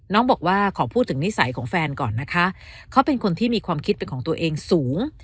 น้องบอกว่าขอพูดถึงนิสัยของแฟนก่อนนะคะเขาเป็นคนที่มีความคิดเป็นของตัวเองสูง